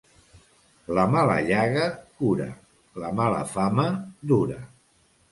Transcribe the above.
La mala llaga cura, la mala fama dura.